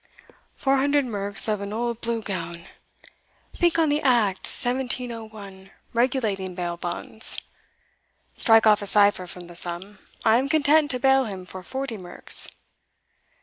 "Four hundred merks for an old Blue Gown! Think on the act 1701 regulating bail bonds! Strike off a cipher from the sum I am content to bail him for forty merks."